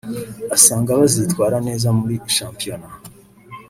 asanga bazitwara neza muri shampiyona